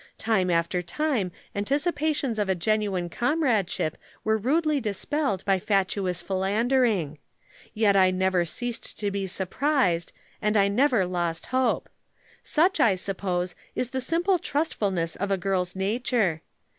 Time after time anticipations of a genuine comradeship were rudely dispelled by fatuous philandering. Yet I never ceased to be surprised, and I never lost hope. Such, I suppose, is the simple trustfulness of a girl's nature.